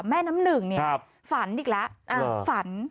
แม่น้ำหนึ่งเนี่ยฝันอีกแล้วฝัน